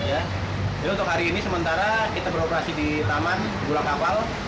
jadi untuk hari ini sementara kita beroperasi di taman di bulan kapal